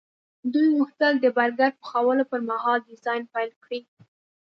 دوی غوښتل د برګر پخولو پرمهال ډیزاین پیل کړي